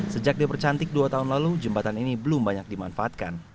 sejak dipercantik dua tahun lalu jembatan ini belum banyak dimanfaatkan